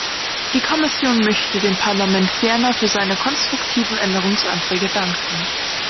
Die Kommission möchte dem Parlament ferner für seine konstruktiven Änderungsanträge danken.